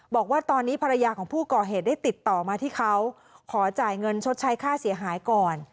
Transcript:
บอกว่าตอนนี้ภรรยาของผู้ก่อเหตุได้ติดต่อมาที่เขาขอจ่ายเงินชดใช้ค่าเสียหายก่อน